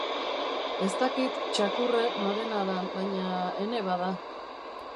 Ez dakit txakurre norena dan, baina, ene bada!